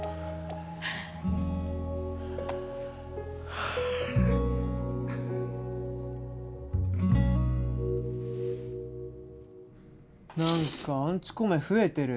・ハァ・何かアンチコメ増えてる。